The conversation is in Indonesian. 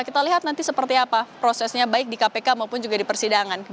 kita lihat nanti seperti apa prosesnya baik di kpk maupun juga di persidangan